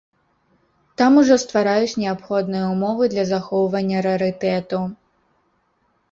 Там ужо ствараюць неабходныя ўмовы для захоўвання рарытэту.